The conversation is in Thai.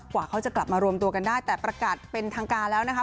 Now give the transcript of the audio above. กว่าเขาจะกลับมารวมตัวกันได้แต่ประกาศเป็นทางการแล้วนะคะ